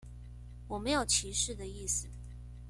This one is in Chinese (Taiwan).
我沒有歧視的意思